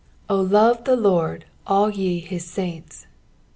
—" O lt>te the Lord, all ye hi* lainti."